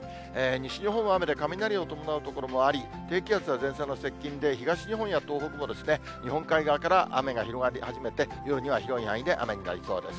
西日本は雨で、雷を伴う所もあり、低気圧や前線の接近で、東日本や東北も、日本海側から雨が広がり始めて、夜には広い範囲で雨になりそうです。